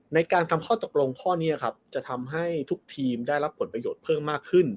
ในการทำข้อตกลงข้อนี้ครับจะทำให้ทุกทีมได้รับผลประโยชน์เพิ่มมากขึ้น